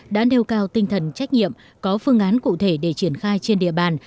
đã nêu cao tinh thần trách nhiệm có phương án cụ thể để triển khai trên địa bàn